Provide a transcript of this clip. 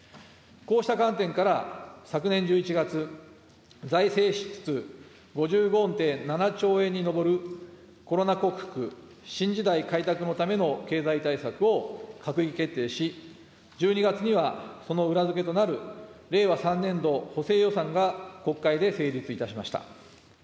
こうした観点から昨年１１月、財政支出５５．７兆円に上るコロナ克服・新時代開拓のための経済対策を閣議決定し、１２月にはその裏付けとなる令和３年度補正予算が国会で成立いたしました。